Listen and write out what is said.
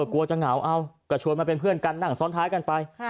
กลัวจะเหงาเอาก็ชวนมาเป็นเพื่อนกันนั่งซ้อนท้ายกันไป